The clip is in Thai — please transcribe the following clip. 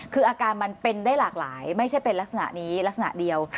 คืออาการมันเป็นได้หลากหลายไม่ใช่เป็นลักษณะนี้ลักษณะเดียว